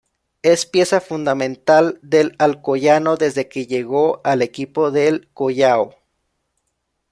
Es pieza fundamental del Alcoyano desde que llegó al equipo de El Collao.